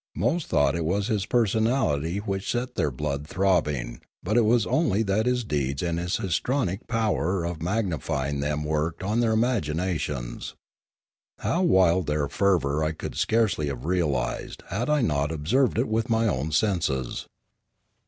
Most thought it was his per sonality which set their blood throbbing, but it was only that his deeds and his histrionic power of magni fying them worked on their imaginations. How wild their fervour I could scarcely have realised had I not observed it with my own senses.